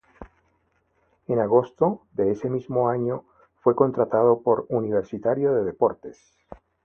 En agosto de ese mismo año fue contratado por Universitario de Deportes.